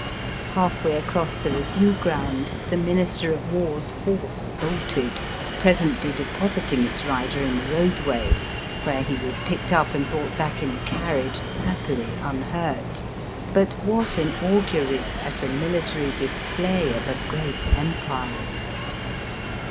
Half way across the review ground the Minister of War's horse bolted, presently depositing its rider in the roadway, where he was picked up and brought back in a carriage happily unhurt. But what an augury at a military display of a great Empire